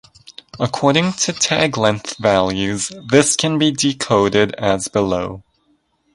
According to tag length values, this can be decoded as below.